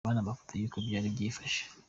Reba hano amafoto y’uko byari byifashe.